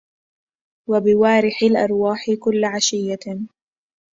وبوارح الأرواح كل عشية